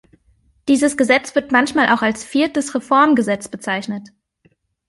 Dieses Gesetz wird manchmal auch als Viertes Reformgesetz bezeichnet.